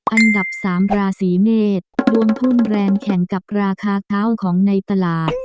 อันดับ๓ราศีเมษดวงพุ่งแรงแข่งกับราคาข้าวของในตลาด